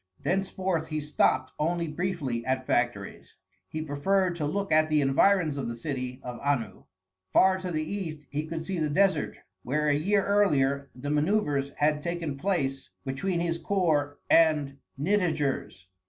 Thenceforth he stopped only briefly at factories. He preferred to look at the environs of the city of Anu. Far to the east he could see the desert where a year earlier the manœuvres had taken place between his corps and Nitager's.